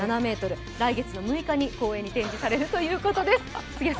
来月６日に公園に展示されるそうです。